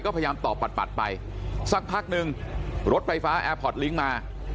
ก็พยายามตอบปัดไปสักพักนึงรถไฟฟ้าแอร์พอร์ตลิงค์มา